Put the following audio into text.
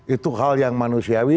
itu hal yang manusiawi